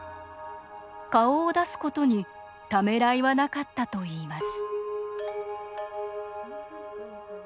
顔を出すことにためらいはなかったといいます